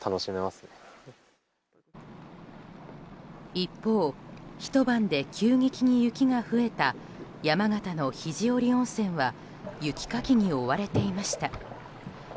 一方、ひと晩で急激に雪が増えた山形の肘折温泉は雪かきに追われていました。